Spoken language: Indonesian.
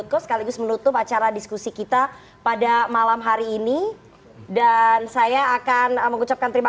sekaligus menutup acara diskusi kita pada malam hari ini dan saya akan mengucapkan terima kasih